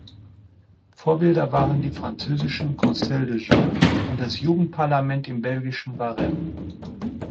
Vorbilder waren die französischen „conseils des jeunes“ und das Jugendparlament im belgischen Waremme.